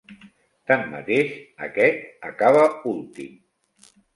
Tanmateix, aquest acaba últim.